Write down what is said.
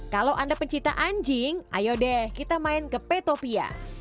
kalau anda pencinta anjing ayo deh kita main ke petopia